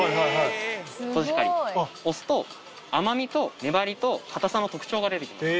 「コシヒカリ」押すと甘みと粘りと硬さの特徴が出て来ます。